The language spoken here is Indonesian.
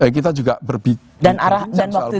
kita juga berbicara tentang soal politik